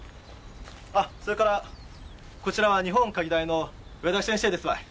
あっそれからこちらは日本科技大の上田先生ですばい。